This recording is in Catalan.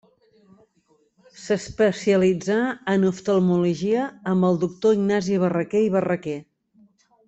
S'especialitzà en oftalmologia amb el doctor Ignasi Barraquer i Barraquer.